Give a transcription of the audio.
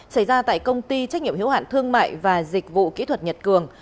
xảy ra tại công ty trách nhiệm hiếu hạn thương mại và dịch vụ kỹ thuật nhật cường